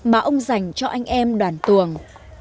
mà ông dành cho anh em đoàn tuồng